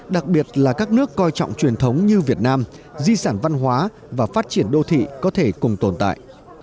đặc biệt là các nước coi trọng truyền thống như việt nam di sản văn hóa và phát triển đô thị có thể cùng tồn tại